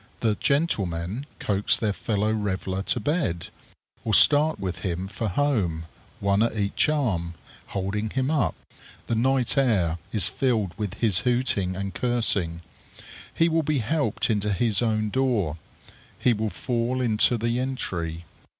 The "gentlemen" coax their fellow reveller to bed, or start with him for home, one at each arm, holding him up; the night air is filled with his hooting and cursing. He will be helped into his own door. He will fall into the entry.